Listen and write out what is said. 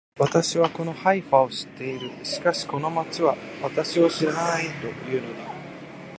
私はこのハイファを知っている。しかしこの町は私を知らないと言うのだ